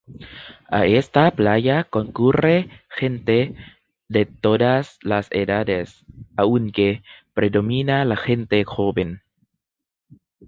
A esta playa concurre gente de todas las edades, aunque predomina la gente joven.